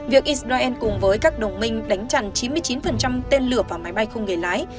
việc israel cùng với các đồng minh đánh chặn chín mươi chín tên lửa và máy bay không người lái